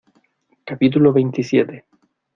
capítulo veintisiete.